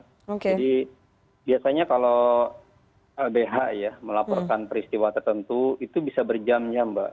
jadi biasanya kalau lbh ya melaporkan peristiwa tertentu itu bisa berjam jam mbak